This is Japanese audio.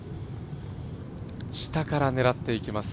下から狙っていきます。